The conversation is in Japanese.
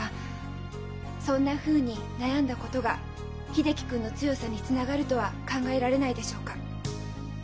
そんなふうに悩んだことが秀樹君の強さにつながるとは考えられないでしょうか？